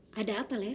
saya sudah selesai